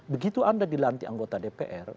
begitu anda dilantik anggota dpr